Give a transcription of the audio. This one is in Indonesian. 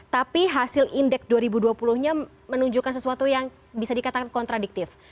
tapi hasil indeks dua ribu dua puluh nya menunjukkan sesuatu yang bisa dikatakan kontradiktif